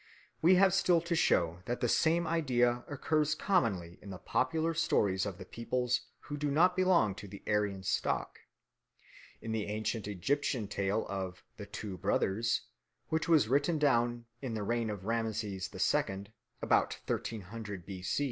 We have still to show that the same idea occurs commonly in the popular stories of peoples who do not belong to the Aryan stock. In the ancient Egyptian tale of "The Two Brothers," which was written down in the reign of Rameses II., about 1300 B.